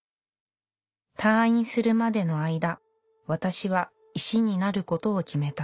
「退院するまでの間私は石になることを決めた」。